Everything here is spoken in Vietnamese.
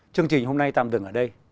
chương trình hôm nay tạm dừng ở đây